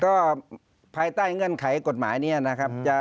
ก็ภายใต้เงื่อนไขกฎหมายนี้นะครับ